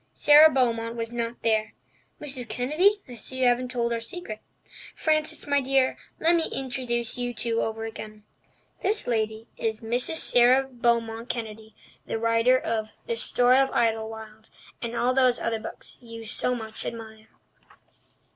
Sara Beaumont was not there. Mrs. Kennedy, I see you haven't told our secret. Frances, my dear, let me introduce you two over again. This lady is Mrs. Sara Beaumont Kennedy, the writer of The Story of Idlewild and all those other books you so much admire."